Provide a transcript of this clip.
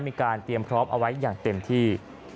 มีการเตรียมพร้อมเอาไว้อย่างเต็มที่